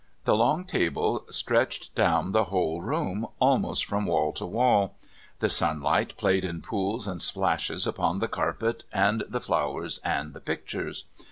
The long table stretched down the whole room, almost from wall to wall; the sunlight played in pools and splashes upon the carpet and the flowers and the pictures.